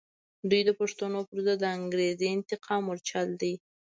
دوی د پښتنو پر ضد د انګریزي انتقام مورچل دی.